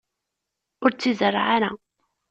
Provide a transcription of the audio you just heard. Ur tt-izerreε ara!